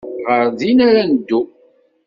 Ɣer din ara neddu.